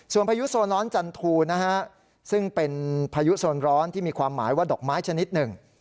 พายุโซร้อนจันทูนะฮะซึ่งเป็นพายุโซนร้อนที่มีความหมายว่าดอกไม้ชนิดหนึ่ง